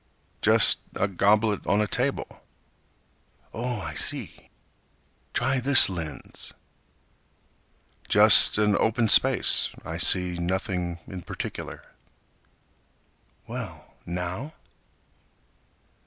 Just a goblet on a table. Oh I see! Try this lens! Just an open space—I see nothing in particular. Well, now!